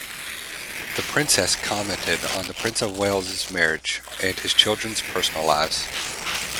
The Princess commented on the Prince of Wales' marriages and his children's personal lives.